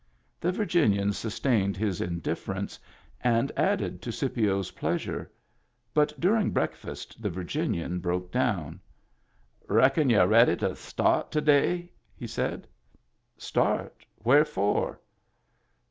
The Virginian sustained his indifference, and added to Scipio's pleasure. But during break fast the Virginian broke down. " Reckon you're ready to start to day ?" he said. "Start? Where for?"